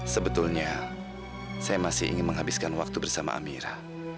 sebetulnya saya masih ingin menghabiskan waktu bersama amira